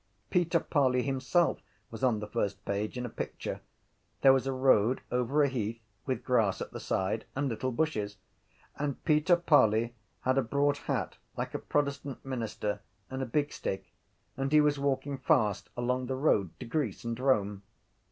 Peter Parley himself was on the first page in a picture. There was a road over a heath with grass at the side and little bushes: and Peter Parley had a broad hat like a protestant minister and a big stick and he was walking fast along the road to Greece and Rome.